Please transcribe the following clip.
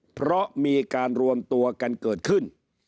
เพราะมีการรวมตัวกันเกิดขึ้น